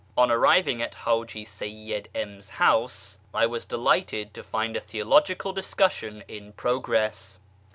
On arriving at Haji Seyyid M 's house, I was delighted to find a theological discussion in progress.